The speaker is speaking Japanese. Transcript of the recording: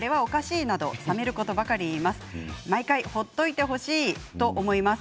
あれはおかしいとさめることばかり言います。